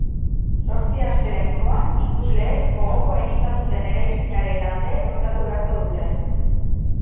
Zortzi asteren buruan ikusleek gogokoen izan duten eraikinaren alde bozkatu beharko dute.